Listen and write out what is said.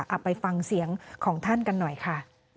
เอาไปฟังเสียงของท่านกันหน่อยค่ะ